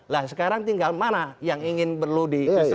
lah sekarang tinggal mana yang ingin perlu diusir